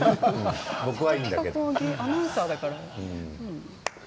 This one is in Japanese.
アナウンサーだから。